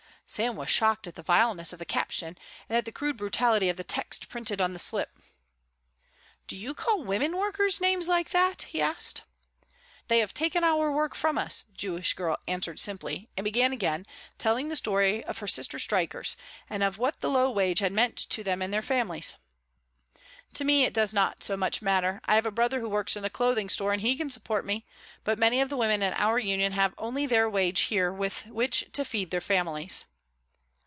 Sam was shocked at the vileness of the caption and at the crude brutality of the text printed on the slip. "Do you call women workers names like that?" he asked. "They have taken our work from us," the Jewish girl answered simply and began again, telling the story of her sister strikers and of what the low wage had meant to them and to their families. "To me it does not so much matter; I have a brother who works in a clothing store and he can support me, but many of the women in our union have only their wage here with which to feed their families."